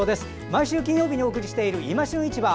毎週金曜日にお送りしている「いま旬市場」。